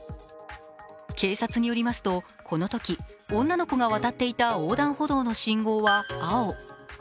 警察によりますとこのとき女の子が渡っていた横断歩道の信号は青。